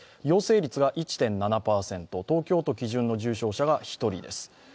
陽性率が１．７％東京都基準の重症者が１人です。